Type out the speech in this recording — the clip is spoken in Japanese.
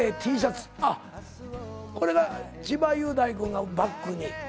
これが千葉雄大君のがバックに。